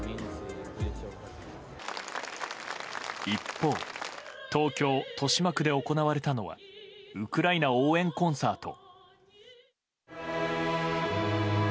一方東京・豊島区で行われたのはウクライナ応援コンサート。